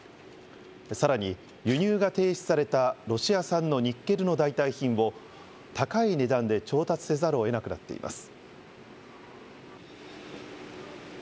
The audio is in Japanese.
さらに、輸入が停止されたロシア産のニッケルの代替品を高い値段で調達せざるをえなくなっています。